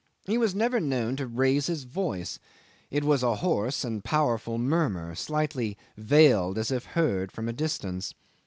He was never known to raise his voice. It was a hoarse and powerful murmur, slightly veiled as if heard from a distance.